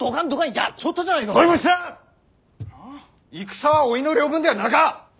戦はおいの領分ではなか。